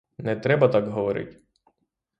Не треба так говорить!